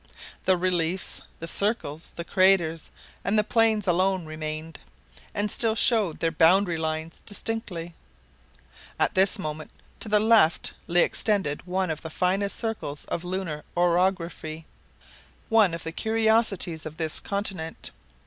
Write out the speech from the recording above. The reliefs, the circles, the craters, and the plains alone remained, and still showed their boundary lines distinctly. At this moment, to the left, lay extended one of the finest circles of lunar orography, one of the curiosities of this continent.